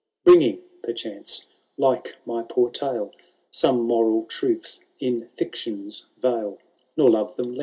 Bringing, perchance, Uke my poor tale. Some moral truth in fiction*s veil :' 1 [MS.